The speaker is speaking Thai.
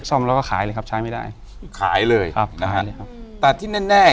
ซ่อมแล้วก็ขายเลยครับใช้ไม่ได้ขายเลยครับขายเลยครับแต่ที่แน่